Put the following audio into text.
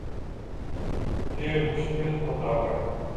یہ مشکل ہوتا ہے